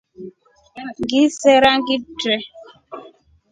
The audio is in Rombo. Ngisera ngiitre.